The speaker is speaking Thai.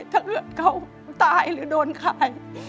ถ้าเพื่อนเขาตายหรือโดนค่าย